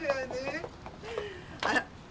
あら。